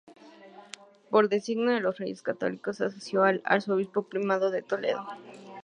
Por designio de los Reyes Católicos se asoció al Arzobispo Primado de Toledo.